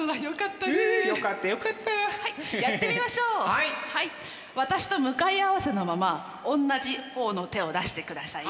はい私と向かい合わせのままおんなじ方の手を出してくださいね。